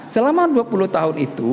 selama dua puluh tahun itu